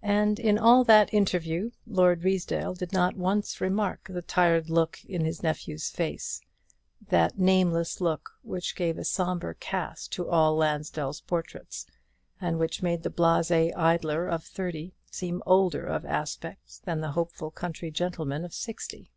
And in all that interview Lord Ruysdale did not once remark the tired look in his nephew's face; that nameless look which gave a sombre cast to all the Lansdell portraits, and which made the blasé idler of thirty seem older of aspect than the hopeful country gentleman of sixty.